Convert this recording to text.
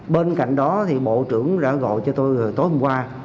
bên cạnh đó thì bộ trưởng đã gọi cho tôi tối hôm qua